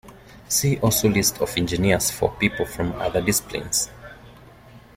See also List of engineers for people from other disciplines.